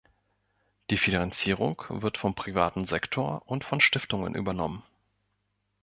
Die Finanzierung wird vom privaten Sektor und von Stiftungen übernommen.